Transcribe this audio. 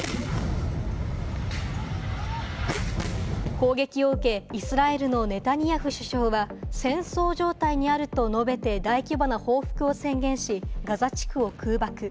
攻撃を受け、イスラエルのネタニヤフ首相は戦争状態にあると述べて、大規模な報復を宣言し、ガザ地区を空爆。